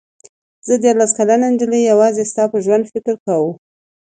زه دیارلس کلنې نجلۍ یوازې ستا په ژوند فکر کاوه.